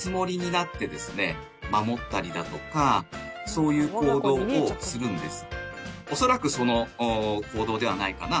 そういう行動をするんです。